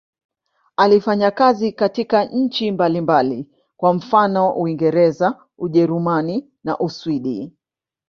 Alifanya kazi katika nchi mbalimbali, kwa mfano Uingereza, Ujerumani na Uswidi.